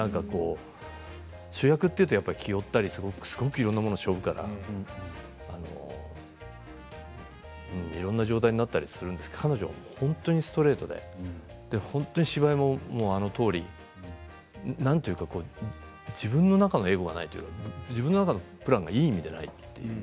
主役というと気負ったりいろんなものをすごく背負うからいろんな状態になったりするんですけど彼女は本当にストレートで芝居もあのとおりなんて言うのかな自分の中のエゴがないと自分の中のプランがいい意味でない。